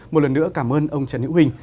một lần nữa cảm ơn ông trần hữu hình